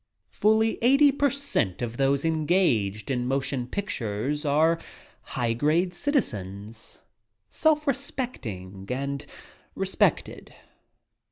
Fully eighty per cent of those engaged in motion pictures are high grade citizens self respecting and respected.